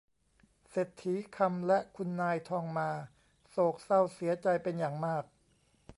เศรษฐีคำและคุณนายทองมาโศกเศร้าเสียใจเป็นอย่างมาก